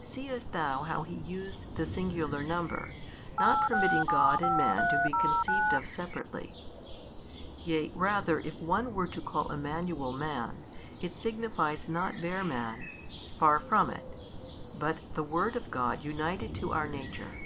Seest thou how He used the singular number, not permitting God and man to be conceived of separately? yea rather if one were to call Emmanuel man, it signifies not bare man (far from it) but the Word of God united to our nature.